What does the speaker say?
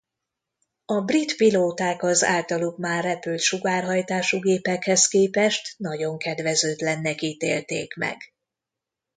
A brit pilóták az általuk már repült sugárhajtású gépekhez képest nagyon kedvezőtlennek ítélték meg.